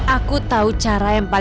aku tau cara yang paling baik